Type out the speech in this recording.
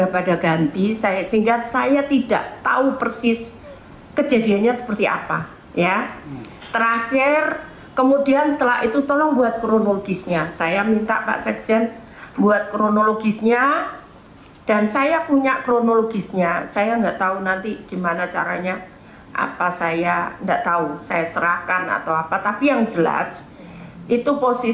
pada tahun dua ribu dua puluh sampai maret dua ribu dua puluh satu